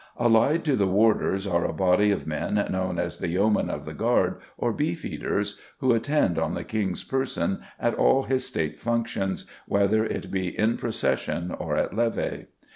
Allied to the Warders are a body of men known as the Yeomen of the Guard, or Beefeaters, who attend on the King's person at all his State functions, whether it be in procession or at levée.